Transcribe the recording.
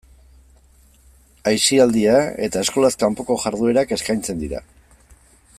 Aisialdia eta eskolaz kanpoko jarduerak eskaintzen dira.